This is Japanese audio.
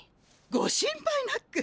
ご心配なく。